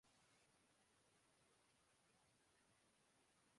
ایک بڑِی وجہ تھوڑے فائدے